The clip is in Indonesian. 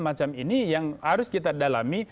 macam ini yang harus kita dalami